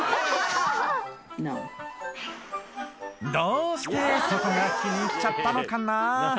どうしてそこが気に入っちゃったのかな